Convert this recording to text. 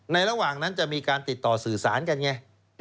ระหว่างนั้นจะมีการติดต่อสื่อสารกันไง